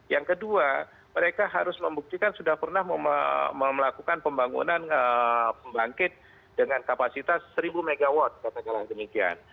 yang kedua mereka harus membuktikan sudah pernah melakukan pembangunan pembangkit dengan kapasitas seribu megawatt kata kata yang demikian